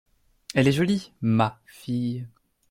Elle est jolie, ma, fille !